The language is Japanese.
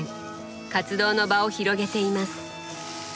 活動の場を広げています。